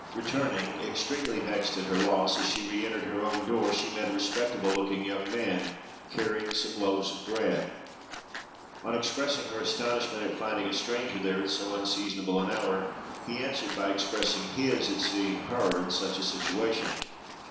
Returning, extremely vexed at her loss, as she re entered her own door she met a respectable looking young man, carrying some loaves of bread. On expressing her astonishment at finding a stranger there at so unseasonable an hour, he answered by expressing his at seeing her in such a situation.